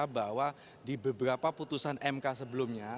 bahwa di beberapa putusan mk sebelumnya